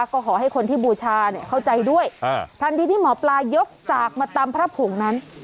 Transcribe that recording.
ก็ขอให้คนที่บูชาเข้าใจด้วยทันทีที่หมอปลายกจากมาตามพระผงนั้น